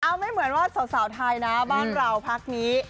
เอาไม่เหมือนว่าสาวไทยนะบ้านเราพักนี้